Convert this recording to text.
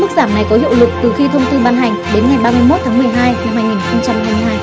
giảm này có hiệu lực từ khi thông tư ban hành đến ngày ba mươi một tháng một mươi hai năm hai nghìn hai mươi hai